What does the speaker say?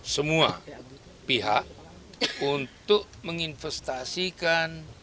semua pihak untuk menginvestasikan